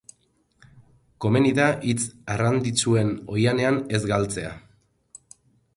Komeni da hitz arrandiatsuen oihanean ez galtzea.